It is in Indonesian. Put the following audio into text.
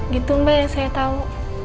gitu mbak yang saya tahu